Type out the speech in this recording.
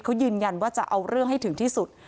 เขายืนยันว่าจะเอาเรื่องให้ถึงที่สุด